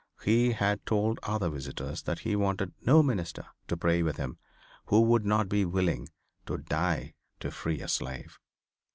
He had told other visitors that he wanted no minister to pray with him who would not be willing to die to free a slave.